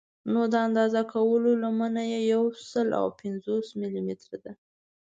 نو د اندازه کولو لمنه یې یو سل او پنځوس ملي متره ده.